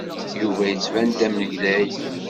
Yuba yettban d amaglay.